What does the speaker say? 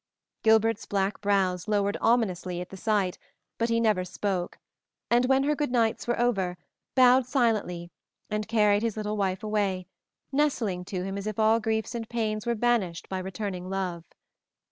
Gilbert's black brows lowered ominously at the sight, but he never spoke; and, when her good nights were over, bowed silently and carried his little wife away, nestling to him as if all griefs and pains were banished by returning love.